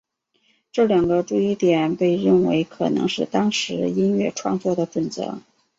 这两个注意点被认为可能是当时音乐创作的准则。